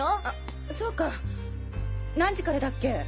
あそうか何時からだっけ？